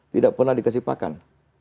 tidak pernah dikasih pakan